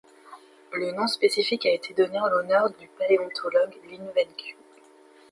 Le nom spécifique a été donné en l'honneur du paléontologue Lin Wenqiu.